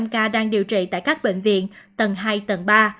hai tám trăm sáu mươi năm ca đang điều trị tại các bệnh viện tầng hai tầng ba